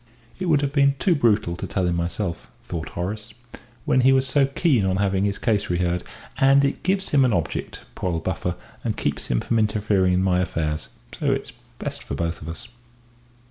"It would have been too brutal to tell him myself," thought Horace, "when he was so keen on having his case reheard. And it gives him an object, poor old buffer, and keeps him from interfering in my affairs, so it's best for both of us."